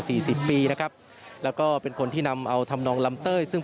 และก็มีการกินยาละลายริ่มเลือดแล้วก็ยาละลายขายมันมาเลยตลอดครับ